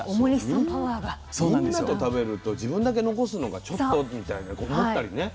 みんなと食べると自分だけ残すのがちょっとみたいに思ったりね。